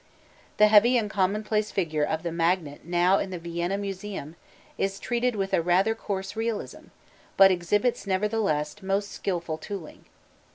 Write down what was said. The heavy and commonplace figure of the magnate now in the Vienna Museum is treated with a rather coarse realism, but exhibits nevertheless most skilful tooling.